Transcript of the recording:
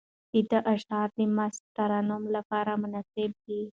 د ده اشعار د مست ترنم لپاره مناسب دي.